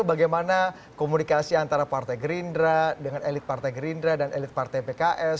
bagaimana komunikasi antara partai gerindra dengan elit partai gerindra dan elit partai pks